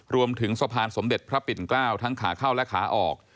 รวมถึงสะพานสมเด็จพระปิ่นเกล้าทั้งขาเข้าและขาออก